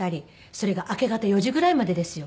それが明け方４時ぐらいまでですよ。